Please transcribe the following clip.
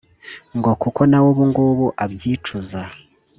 ngo kuko na we ubu ngubu abyicuza